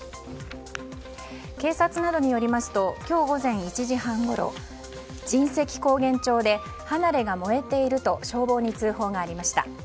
警察などによりますと今日午前１時半ごろ神石高原町で離れが燃えていると消防に通報がありました。